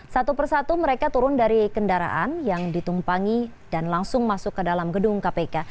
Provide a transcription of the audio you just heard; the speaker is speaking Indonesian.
satu persatu mereka turun dari kendaraan yang ditumpangi dan langsung masuk ke dalam gedung kpk